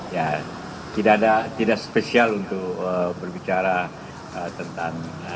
ya tidak spesial untuk berbicara tentang